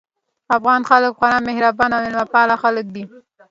افغان خلک خورا مهربان او مېلمه پال خلک دي